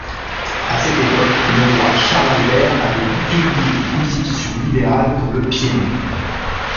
À cette époque, le roi Charles-Albert avait publié une constitution libérale pour le Piémont.